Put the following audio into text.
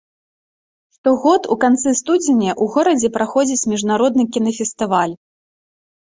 Штогод у канцы студзеня ў горадзе праходзіць міжнародны кінафестываль.